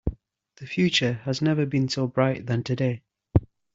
The future has never been so bright than today.